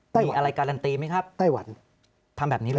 ไม่มีอะไรการันตีไหมครับไต้หวันทำแบบนี้เหรอ